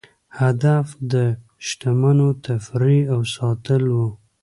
هدف د شتمنو تفریح او ساتل وو.